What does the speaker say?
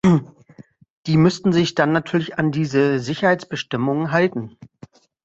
Die müssten sich dann natürlich an diese Sicherheitsbestimmungen halten.